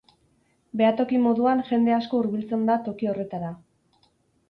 Behatoki moduan jende asko hurbiltzen da toki horretara.